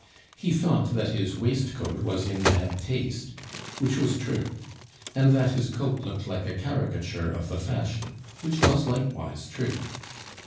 He thought that his waistcoat was in bad taste, which was true; and that his coat looked like a caricature of the fashion, which was likewise true.